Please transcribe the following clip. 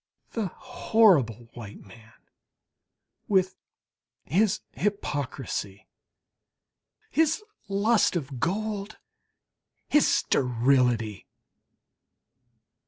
The horrible white man, with his hypocrisy, his lust of gold, his sterility!